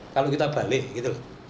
kalau kita balik gitu